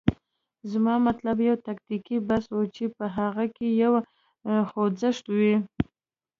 زما مطلب یو تکتیکي بحث و، چې په هغه کې یو خوځښت وي.